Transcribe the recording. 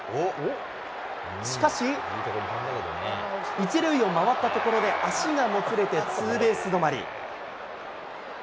しかし、１塁を回ったところで足がもつれてツーベース止まり。